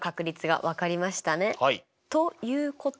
ということは？